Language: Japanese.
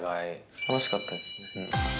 楽しかったですね。